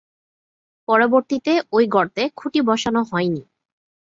পরবর্তীতে ঐ গর্তে খুঁটি বসানো হয়নি।